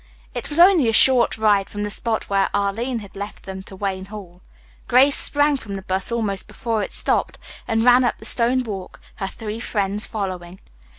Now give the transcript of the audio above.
It was only a short ride from the spot where Arline had left them to Wayne Hall. Grace sprang from the bus almost before it stopped, and ran up the stone walk, her three friends following.